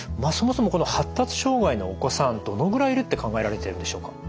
そもそもこの発達障害のお子さんどのぐらいいるって考えられているんでしょうか？